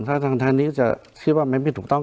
ถ้าทางนี้จะคิดว่ามันไม่ถูกต้อง